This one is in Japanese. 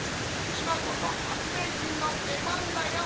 いまこそ発明品のでばんだよ！